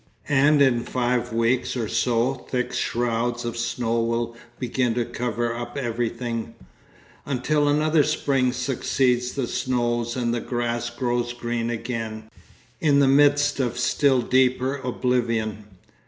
And in five weeks or so, thick shrouds of snow will begin to cover up everything, until another spring succeeds the snows and the grass grows green again, in the midst of still deeper oblivion.